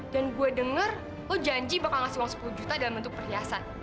dan saya dengar anda janji akan memberikan uang sepuluh juta dalam bentuk perhiasan